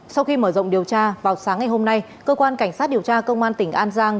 sau khi mở rộng điều tra vào sáng ngày hôm nay cơ quan cảnh sát điều tra công an tỉnh an giang